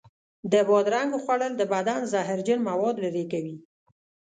د بادرنګو خوړل د بدن زهرجن موادو لرې کوي.